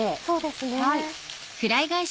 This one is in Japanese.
そうですね。